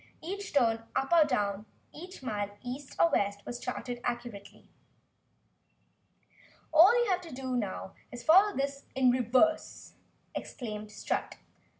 Each turn up or down, each mile east or west, was charted accurately. "All you have to do is follow this in reverse," exclaimed Strut.